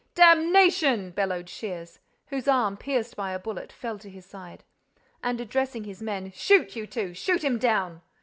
"Damnation!" bellowed Shears, whose arm, pierced by a bullet, fell to his side. And, addressing his men, "Shoot, you two! Shoot him down!"